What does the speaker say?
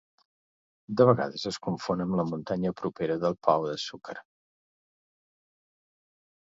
De vegades es confon amb la muntanya propera del Pao de Açúcar.